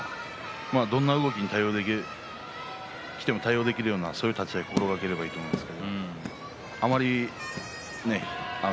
どんな動きにも対応できるような、そういう立ち合いを心がければいいと思います。